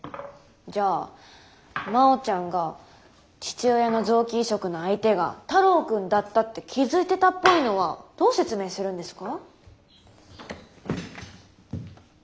じゃあ真央ちゃんが父親の臓器移植の相手が太郎君だったって気付いてたっぽいのはどう説明するんですか？